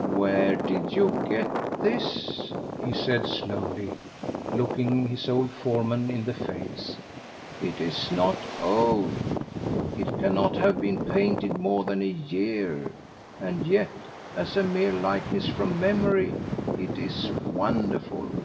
"Where did you get this?" he said slowly, looking his old foreman in the face. "It is not old, it cannot have been painted more than a year; and yet, as a mere likeness from memory, it is wonderful.